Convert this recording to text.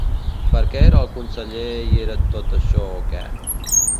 ¿Per què era el conseller i era tot això o què?